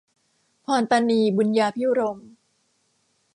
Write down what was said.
พรปราณี บุญญาภิรมย์